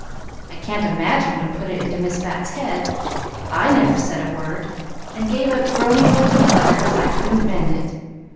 "I can't imagine what put it into Miss Bat's head. I never said a word, and gave up groaning over the clutter, as I couldn't mend it.